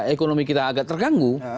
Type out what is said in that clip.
ekonomi kita agak terganggu